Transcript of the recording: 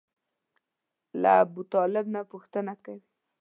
له ابوطالب نه پوښتنه کوي.